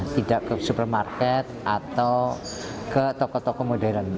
tidak ke supermarket atau ke toko toko modern